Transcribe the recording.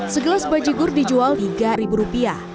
segelas bajibur dijual tiga ribu rupiah